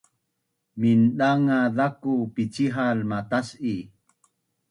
Mindangaz zaku pincihal matas’i